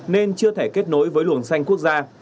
nên chưa thể kết nối với luồng xanh quốc gia